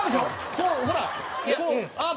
こうほらあっ